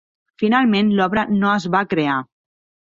Finalment l'obra no es va crear.